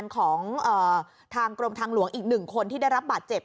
ของทางกรมทางหลวงอีก๑คนที่ได้รับบาดเจ็บ